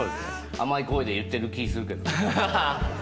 甘い声で言ってる気するけど。